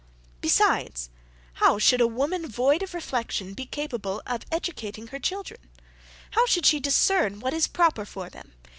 "Besides, how should a woman void of reflection be capable of educating her children? How should she discern what is proper for them?